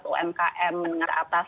semua komunitas umkm mendengar atas